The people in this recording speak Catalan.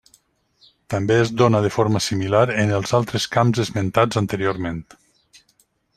També es dóna de forma similar en els altres camps esmentats anteriorment.